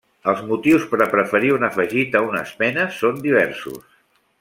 Els motius per a preferir un afegit a una esmena són diversos.